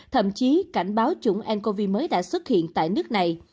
thậm chí cảnh báo chủng ncov mới đã xuất hiện tại nước này